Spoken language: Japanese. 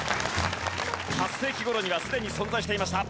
８世紀頃にはすでに存在していました。